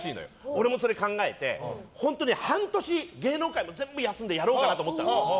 俺も考えて本当に半年、芸能界も全部休んでやろうかなと思った。